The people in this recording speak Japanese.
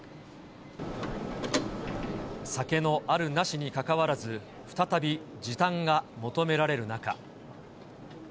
酒のあるなしに関わらず、再び時短が求められる中。